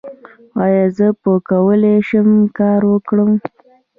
ایا زه به وکولی شم کار وکړم؟